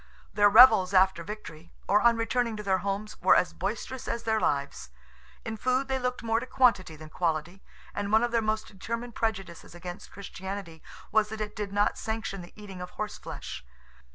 Their revels after victory, or on returning to their homes, were as boisterous as their lives. In food they looked more to quantity than quality, and one of their most determined prejudices against Christianity was that it did not sanction the eating of horse flesh.